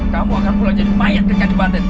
kamu akan pula jadi mayat kekadebatan